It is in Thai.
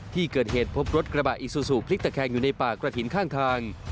ที่เกิดเหตุพบรถกระบะอิซูซูพลิกตะแคงอยู่ในป่ากระถิ่นข้างทาง